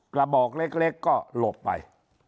กระบอกเล็กก็หลบไป